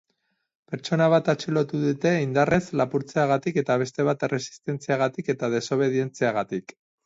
Pertsona bat atxilotu dute indarrez lapurtzeagatik eta beste bat erresistentziagatik eta desobedientziagatik.